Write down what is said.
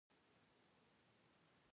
ویل کېږي هغه بازار د ژړا دېوال.